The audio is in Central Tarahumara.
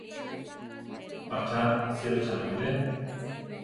¿Pa cha asírochane bilé?